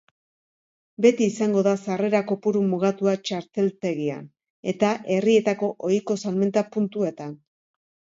Beti izango da sarrera kopuru mugatua txarteltegian eta herrietako ohiko salmenta puntuetan.